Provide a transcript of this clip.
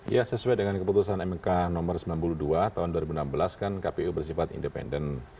ya sesuai dengan keputusan mk nomor sembilan puluh dua tahun dua ribu enam belas kan kpu bersifat independen